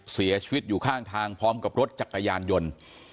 เสียชีวิตอยู่ข้างทางพร้อมกับรถจักรยานยนต์